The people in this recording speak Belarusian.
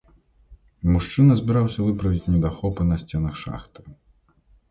Мужчына збіраўся выправіць недахопы на сценах шахты.